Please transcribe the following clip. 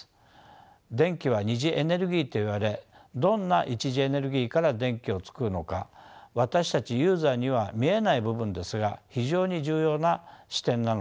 電気は二次エネルギーといわれどんな一次エネルギーから電気を作るのか私たちユーザーには見えない部分ですが非常に重要な視点なのです。